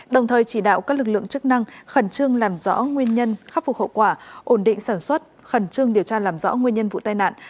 đồng thời chỉ đạo các lực lượng chức năng khẩn trương làm rõ nguyên nhân khắc phục hậu quả ổn định sản xuất khẩn trương điều tra làm rõ nguyên nhân vụ tai nạn